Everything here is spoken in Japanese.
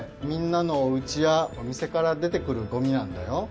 みんなのおうちやおみせからでてくるごみなんだよ。